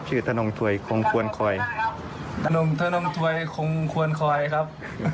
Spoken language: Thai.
ชื่อทนถ่วยคงควรคอยทนถ่วยคงควรคอยครับ